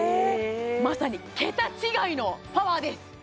まさに桁違いのパワーです！